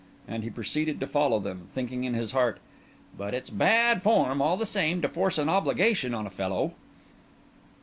And he proceeded to follow them, thinking in his heart, "But it's bad form, all the same, to force an obligation on a fellow."